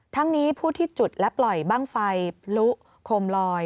ทั้งนี้ผู้ที่จุดและปล่อยบ้างไฟพลุโคมลอย